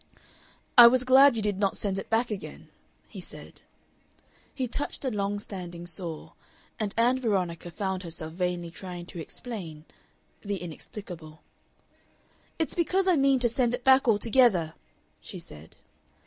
"I was glad you did not send it back again," he said. He touched a long standing sore, and Ann Veronica found herself vainly trying to explain the inexplicable. "It's because I mean to send it back altogether," she said.